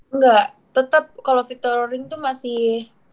enggak tetep kalo victor roaring tuh masih